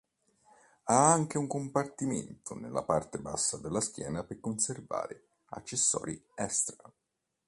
Ha anche un compartimento nella parte bassa della schiena per conservare accessori extra.